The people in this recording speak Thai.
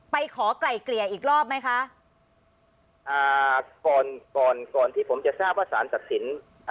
ขอไกล่เกลี่ยอีกรอบไหมคะอ่าก่อนก่อนก่อนที่ผมจะทราบว่าสารตัดสิน